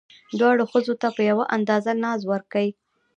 دواړو ښځو ته په یوه اندازه ناز ورکئ.